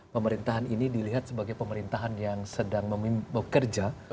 pemerintahan ini dilihat sebagai pemerintahan yang sedang bekerja